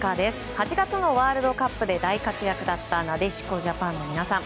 ８月のワールドカップで大活躍だったなでしこジャパンの皆さん。